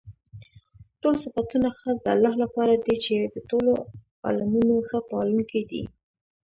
ټول صفتونه خاص د الله لپاره دي چې د ټولو عالَمونو ښه پالونكى دی.